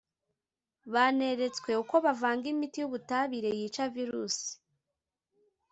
baneretswe uko bavanga imiti y’ubutabire yica virusi